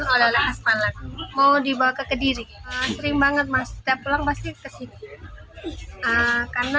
oleh oleh khas malang mau dibawa ke kediri sering banget mas setiap pulang pasti kesini karena